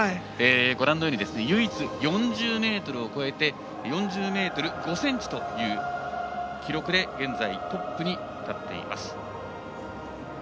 ご覧のように唯一４０ｍを超えて４０ｍ５ｃｍという記録で現在、トップに立っています。